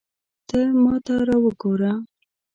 ته ماته را وګوره